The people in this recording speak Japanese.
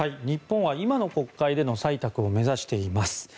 日本は今の国会での採択を目指しています。